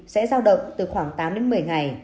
sẽ giao động từ khoảng tám một mươi ngày